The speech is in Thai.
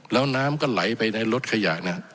แล้วน้ำก็ไหลไปในรถขยะนะ